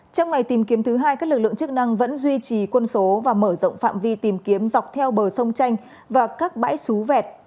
trong ngày tìm kiếm thứ hai các lực lượng chức năng vẫn duy trì quân số và mở rộng phạm vi tìm kiếm dọc theo bờ sông chanh và các bãi xú vẹt